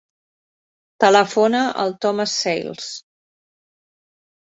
Telefona al Thomas Sales.